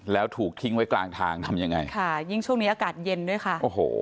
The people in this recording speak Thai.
แล้วถูกทิ้งไว้กลางทางทำยังไงค่ะยิ่งช่วงนี้อากาศเย็นด้วยค่ะโอ้โห